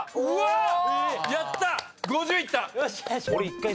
うわっ！